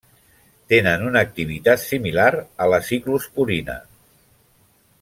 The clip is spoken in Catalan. Tenen una activitat similar a la ciclosporina.